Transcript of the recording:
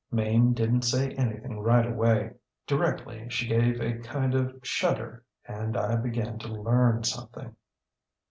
ŌĆ£Mame didnŌĆÖt say anything right away. Directly she gave a kind of shudder, and I began to learn something.